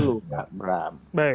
lalu gak beram